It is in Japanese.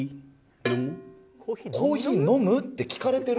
「コーヒー飲む？」って聞かれてる。